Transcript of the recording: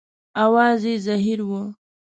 اواز یې زهیر و.